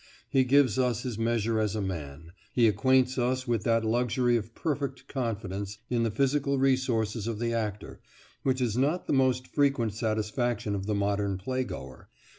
He gives us his measure as a man: he acquaints us with that luxury of perfect confidence in the physical resources of the actor which is not the most frequent satisfaction of the modern play goer.